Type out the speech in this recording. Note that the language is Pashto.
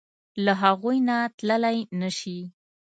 له هغوی نه تللی نشې.